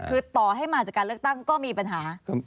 คือต่อให้มาจากการเลือกตั้งก็มีปัญหา